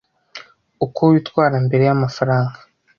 uko witwara imbere y’amafaranga